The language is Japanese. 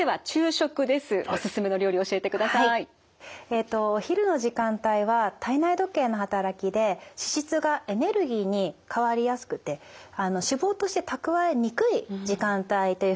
えとお昼の時間帯は体内時計の働きで脂質がエネルギーに変わりやすくて脂肪として蓄えにくい時間帯というふうにいわれているんですね。